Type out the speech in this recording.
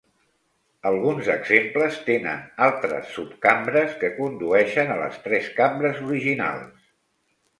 Alguns exemples tenen altres subcambres que condueixen a les tres cambres originals.